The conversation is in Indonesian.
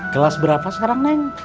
kelas berapa sekarang neng